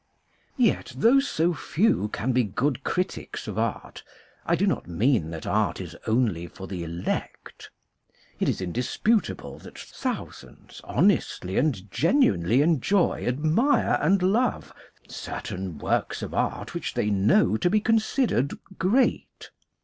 Yet though so few can be good critics of art, I do not mean that art is only for the elect. It is indis putable that thousands honestly and genuinely enjoy, admire, and love certain works of art which they know to be considered great.